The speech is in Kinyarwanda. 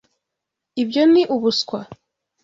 Ibyo ni ubuswa.